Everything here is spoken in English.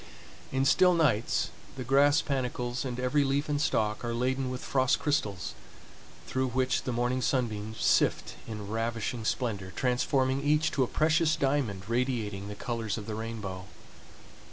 In still nights the grass panicles and every leaf and stalk are laden with frost crystals, through which the morning sunbeams sift in ravishing splendor, transforming each to a precious diamond radiating the colors of the rainbow.